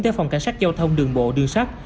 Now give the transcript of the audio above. theo phòng cảnh sát giao thông đường bộ đường sát